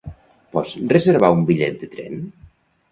Pots reservar un bitllet de tren?